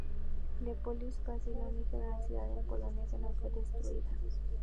Leópolis fue así la única gran ciudad en Polonia que no fue destruida.